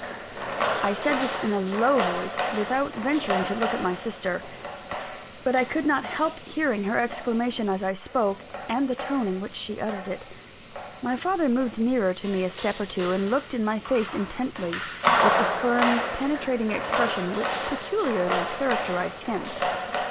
I said this in a low voice, without venturing to look at my sister. But I could not help hearing her exclamation as I spoke, and the tone in which she uttered it. My father moved nearer to me a step or two, and looked in my face intently, with the firm, penetrating expression which peculiarly characterized him.